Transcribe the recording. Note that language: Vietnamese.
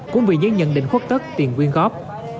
cũng vì những nhận định khuất tất tiền quyên góp